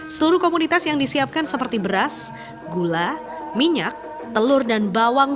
seluruh komoditas yang disiapkan seperti beras gula minyak telur dan bawang